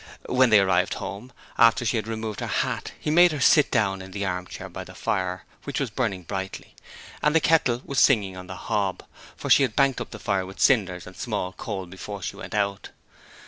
When they arrived home, after she had removed her hat, he made her sit down in the armchair by the fire, which was burning brightly, and the kettle was singing on the hob, for she had banked up the fire with cinders and small coal before she went out.